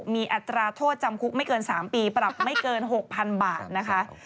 มีอัตราโทษจำคุกไม่เกิน๓ปีปรับไม่เกิน๖๐๐๐บาทนะคะ